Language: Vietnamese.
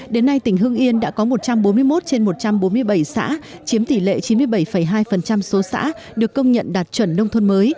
đến nay tỉnh hưng yên đã có một trăm bốn mươi một trên một trăm bốn mươi bảy xã chiếm tỷ lệ chín mươi bảy hai số xã được công nhận đạt chuẩn nông thôn mới